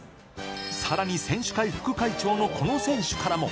さらに選手会副会長のこの選手からも。